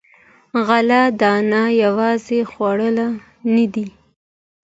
غله دانه یوازې خواړه نه دي.